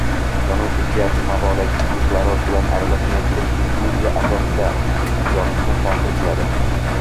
yonuvchi gaz havodagi kislorod bilan aralashmay turib diffuziya asosida yonishni hosil qiladi.